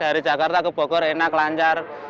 dari jakarta ke bogor enak lancar